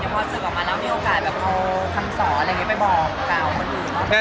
พอสึกออกมาแล้วมีโอกาสเอาคำสอนไปบอกกล่าวคนอื่น